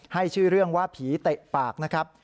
ให้ชื่อเรื่องว่าผีเตะปากนะครับ